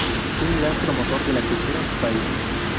Fue un gran promotor de la cultura en su país.